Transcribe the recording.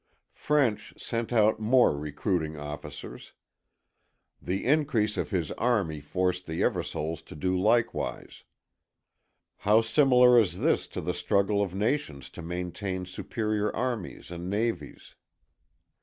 French sent out more recruiting officers. The increase of his "army" forced the Eversoles to do likewise. How similar is this to the struggle of nations to maintain superior armies and navies.